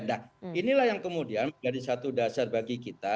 nah inilah yang kemudian menjadi satu dasar bagi kita